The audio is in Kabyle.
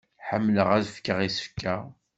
Ḥemmleɣ ad fkeɣ isefka.